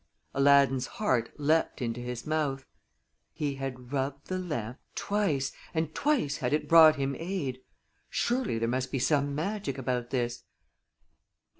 Aladdin's heart leaped into his mouth. He had rubbed the lamp twice, and twice had it brought him aid! Surely, there must be some magic about this.